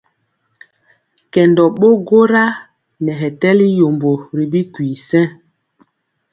Kɛndɔ ɓo gwora nɛ hɛ tɛli yombo ri bikwi sɛŋ.